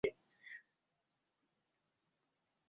ilikuwa na ile hali ya kuchanganya changanya wanashinda leo kesho